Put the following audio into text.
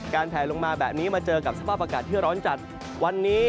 แผลลงมาแบบนี้มาเจอกับสภาพอากาศที่ร้อนจัดวันนี้